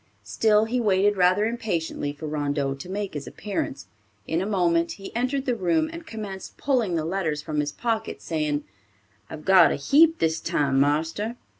Still he waited rather impatiently for Rondeau to make his appearance. In a moment he entered the room, and commenced pulling the letters from his pocket, saying, "I've got a heap this time, marster."